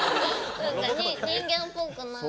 人間っぽくない。